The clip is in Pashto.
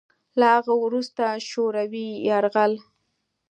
له هغه وروسته شوروي یرغل